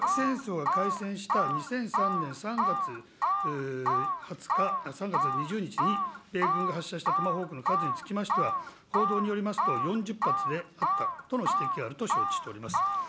続きまして、イラク戦争が開戦した２００３年３月２０日に、米軍が発射したトマホークの数につきましては、報道によりますと、４０発であったとの指摘があると承知しております。